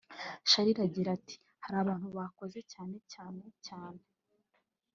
Charly agira ati “Hari abantu bakoze cyane cyane cyane (abitsindagira)